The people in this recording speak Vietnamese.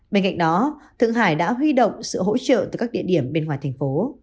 bên cạnh đó thượng hải đã huy động sự hỗ trợ từ các địa điểm bên ngoài thành phố